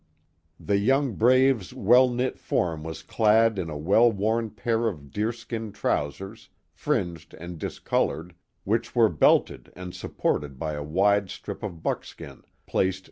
The young brave's well knit form was clad in a well worn pair of deerskin trousers, fringed and discolored, which were belted and supported by a wide strip of buckskin placed